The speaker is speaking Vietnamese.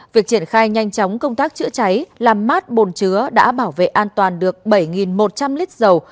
việc triển khai nhanh chóng công tác chữa cháy làm mát bồn chứa đã bảo vệ an toàn được bảy một trăm linh lít dầu